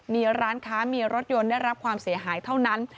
มีร้านค้ามีรถยนต์ได้รับความเสียหายเท่านั้น